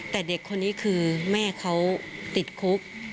แต่เด็กคนนี้คือแม่เขาติดคุก